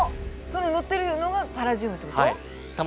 その乗ってるのがパラジウムってこと？